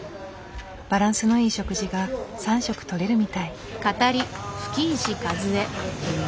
バランスのいい食事が３食とれるみたい。